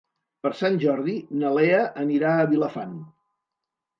Per Sant Jordi na Lea anirà a Vilafant.